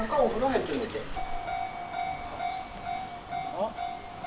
あっ。